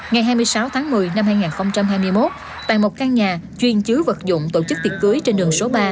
ngày hai mươi sáu tháng một mươi năm hai nghìn hai mươi một tại một căn nhà chuyên chứa vật dụng tổ chức tiệc cưới trên đường số ba